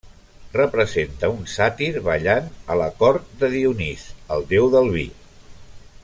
Representa un sàtir ballant a la cort de Dionís, el déu del vi.